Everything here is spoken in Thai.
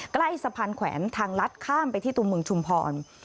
ใกล้สะพานแขวนทางลัดข้ามไปที่ตัวเมืองชุมพร